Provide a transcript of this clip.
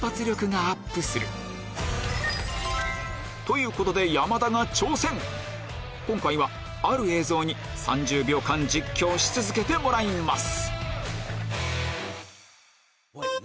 こうすることで今回はある映像に３０秒間実況し続けてもらいます